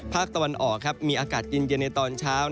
ภาคตะวันออกมีอากาศเย็นในตอนเช้า